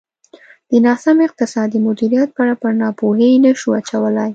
د ناسم اقتصادي مدیریت پړه پر ناپوهۍ نه شو اچولای.